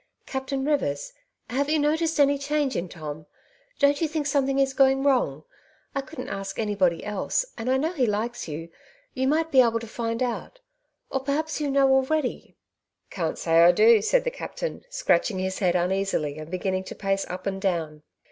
*' Captain Eivers, have you noticed any change in Tom ? don't you think something is going wrong ? I couldn't ask anybody else, and I know he likes you ; you might be able to find out ; or perhaps you know already ?'' Can't say I do,'' said the captain, scratching his head uneasily, and beginning to pace up and down.